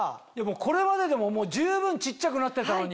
これまででも十分小っちゃくなってたのに。